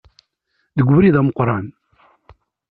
Deg ubrid ameqqran.